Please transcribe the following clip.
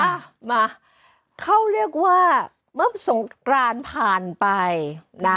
อ่ะมาเขาเรียกว่าเมื่อสงกรานผ่านไปนะ